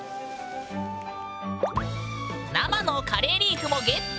生のカレーリーフもＧＥＴ！